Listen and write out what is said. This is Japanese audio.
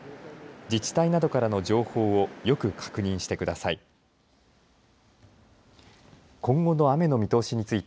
自治体などからの情報をよく確認してください。